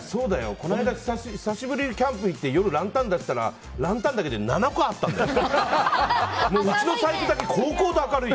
この間久しぶりにキャンプ行って夜、ランタン出したらランタンだけで７個あったんだよ。